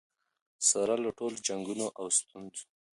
سره له ټولو جنګونو او ستونزو.